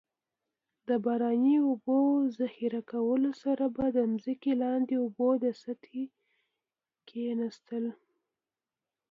د باراني اوبو ذخیره کولو سره به د ځمکې لاندې اوبو د سطحې کیناستل.